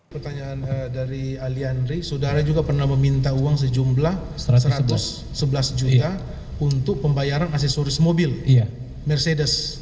pertanyaan dari alianri saudara juga pernah meminta uang sejumlah satu ratus sebelas juta untuk pembayaran aksesoris mobil mercedes